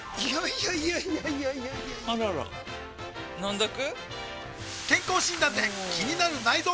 いやいやいやいやあらら飲んどく？